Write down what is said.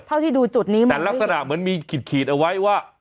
เท่าที่ดูจุดนี้มองไม่เห็นแต่ลักษณะเหมือนมีขีดเอาไว้ว่า